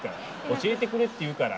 教えてくれって言うから。